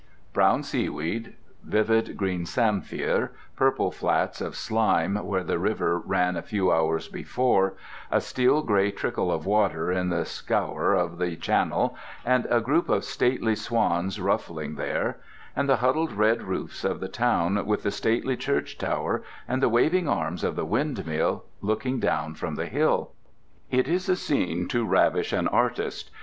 Brown seaweed, vivid green samphire, purple flats of slime where the river ran a few hours before, a steel gray trickle of water in the scour of the channel and a group of stately swans ruffling there; and the huddled red roofs of the town with the stately church tower and the waving arms of the windmill looking down from the hill. It is a scene to ravish an artist.